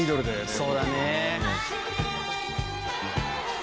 そうだね。